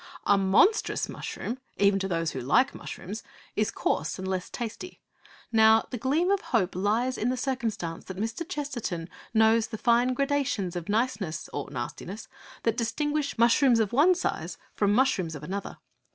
A 'monstrous mushroom,' even to those who like mushrooms, is coarse and less tasty. Now the gleam of hope lies in the circumstance that Mr. Chesterton knows the fine gradations of niceness (or nastiness) that distinguish mushrooms of one size from mushrooms of another.